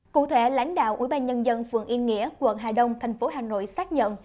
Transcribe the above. cụ thể lãnh đạo ủy ban nhân dân phường yên nghĩa quận hà đông thành phố hà nội xác nhận